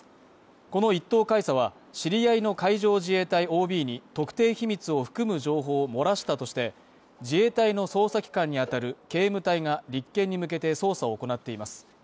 この１等海佐は知り合いの海上自衛隊ＯＢに特定秘密を含む情報を漏らしたとして自衛隊の捜査機関に当たる警務隊が立件に向けて捜査を行っています。